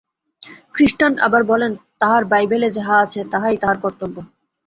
খ্রীষ্টান আবার বলেন, তাঁহার বাইবেলে যাহা আছে, তাহাই তাঁহার কর্তব্য।